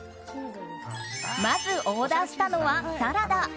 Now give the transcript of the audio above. まずオーダーしたのはサラダ。